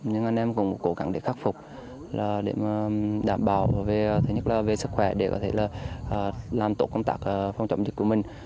nhưng anh em cũng cố gắng để khắc phục để đảm bảo về sức khỏe để có thể làm tốt công tác phòng chống dịch của mình